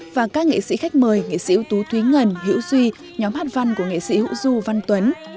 và các nghệ sĩ khách mời nghệ sĩ ưu tú thúy ngân hữu duy nhóm hát văn của nghệ sĩ hữu du văn tuấn